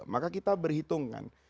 maka kita berhitungan